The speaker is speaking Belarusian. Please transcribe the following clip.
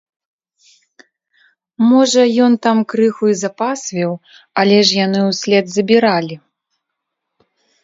Можа, ён там крыху і запасвіў, але ж яны ўслед забіралі.